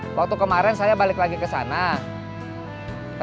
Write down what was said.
udah gak ada abis abis raya angka